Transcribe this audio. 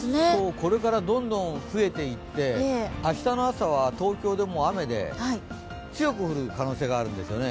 これからどんどん増えていって、明日の朝は東京でも雨で強く降る可能性があるんですよね。